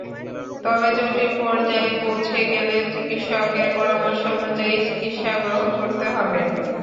তবে জটিল পর্যায়ে পৌঁছে গেলে চিকিৎসকের পরামর্শ অনুযায়ী চিকিৎসা গ্রহণ করতে হবে।